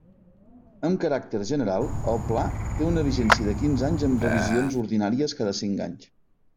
Amb caràcter general el pla té una vigència de quinze anys amb revisions ordinàries cada cinc anys.